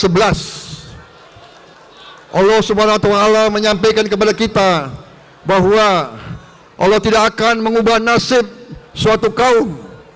allah swt menyampaikan kepada kita bahwa allah tidak akan mengubah nasib suatu kaum